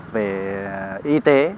về y tế